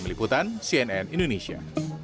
meliputan cnn indonesia